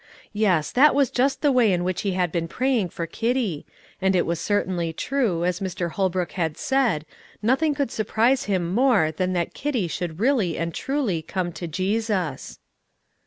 Yes, that was just the way in which he had been praying for Kitty; and it was certainly true, as Mr. Holbrook had said, nothing could surprise him more than that Kitty should really and truly come to Jesus.